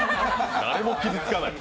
誰も傷つかない。